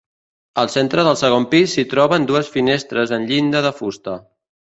Al centre del segon pis s'hi troben dues finestres en llinda de fusta.